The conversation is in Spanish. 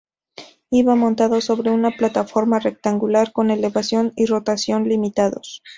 Iba montado sobre una plataforma rectangular con elevación y rotación limitados.